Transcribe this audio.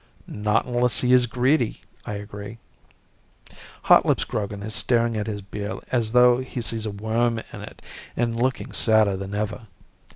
"Not unless he is greedy," I agree. Hotlips Grogan is staring at his beer as though he sees a worm in it and looking sadder than ever.